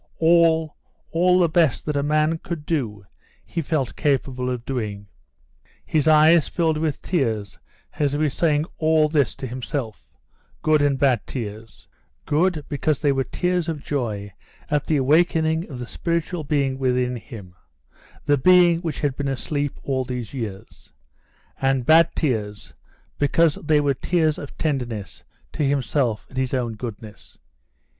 All, all the best that a man could do he felt capable of doing. His eyes filled with tears as he was saying all this to himself, good and bad tears: good because they were tears of joy at the awakening of the spiritual being within him, the being which had been asleep all these years; and bad tears because they were tears of tenderness to himself at his own goodness.